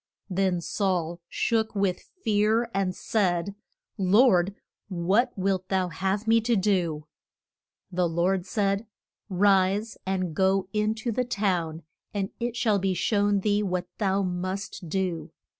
Then Saul shook with fear and said, Lord, what wilt thou have me to do? The Lord said, Rise, and go in to the town, and it shall be shown thee what thou must do.